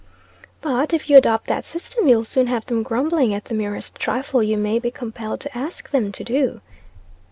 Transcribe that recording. "But, if you adopt that system, you'll soon have them grumbling at the merest trifle you may be compelled to ask them to do."